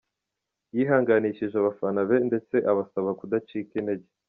Yihanganishije abafana be ndetse abasaba kudacika intege.